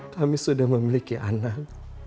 kami sudah memiliki anak